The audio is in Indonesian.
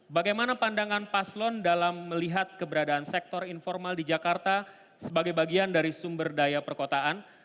bagaimana pandangan paslon dalam melihat keberadaan sektor informal di jakarta sebagai bagian dari sumber daya perkotaan